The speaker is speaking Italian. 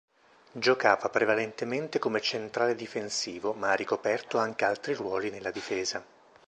Giocava prevalentemente come centrale difensivo, ma ha ricoperto anche altri ruoli nella difesa.